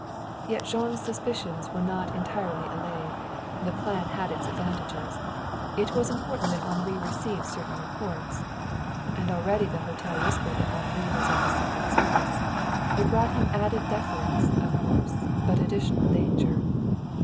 Yet Jean's suspicions were not entirely allayed. The plan had its advantages. It was important that Henri receive certain reports, and already the hotel whispered that Henri was of the secret service. It brought him added deference, of course, but additional danger.